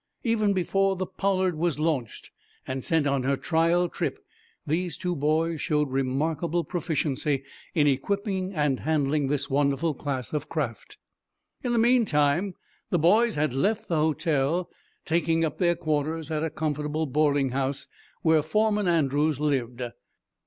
Even before the "Pollard" was launched and sent on her trial trip these two boys showed remarkable proficiency in equipping and handling this wonderful class of craft. In the meantime the boys had left the hotel, taking up their quarters at a comfortable boarding house where Foreman Andrews lived.